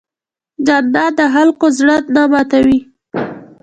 جانداد د خلکو زړه نه ماتوي.